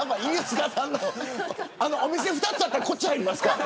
お店が２つあったらこっちに入りますか。